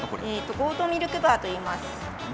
オートミルクバーといいます。